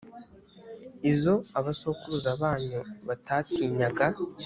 izo abasokuruza banyu batatinyaga.